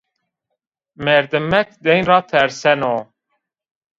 Merdimek deyn ra terseno